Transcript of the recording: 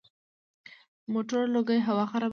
د موټرو لوګی هوا خرابوي.